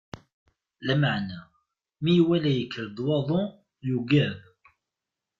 Lameɛna, mi iwala yekker-d waḍu, yugad.